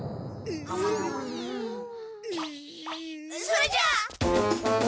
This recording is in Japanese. それじゃあ！